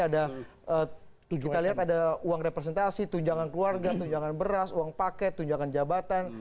ada tujuan kita lihat ada uang representasi tujuan keluarga tujuan beras uang paket tujuan jabatan